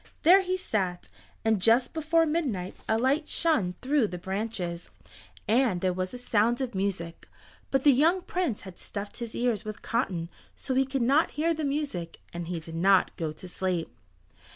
There he sat, and just before midnight a light shone through the branches, and there was a sound of music. But the young Prince had stuffed his ears with cotton so he could not hear the music, and he did not go to sleep.